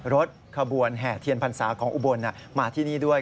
รถขบวนแห่เทียนพรรษาของอุบลมาที่นี่ด้วย